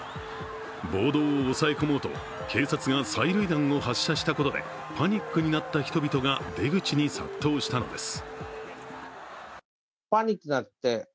暴動を抑え込もうと警察が催涙弾を発射したことでパニックになった人々が出口に殺到したのです。